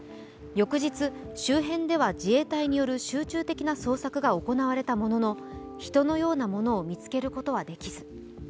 翌日、周辺では自衛隊による集中的な捜索が行われたものの人のようなものを見つけることはできず。